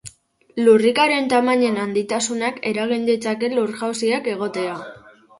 Lurrikaren tamainen handitasunak eragin ditzazke lur-jausiak egotea.